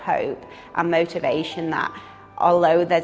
harapan dan motivasi kepada orang lain